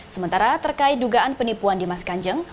sementara terkait dugaan penipuan dimas kanjeng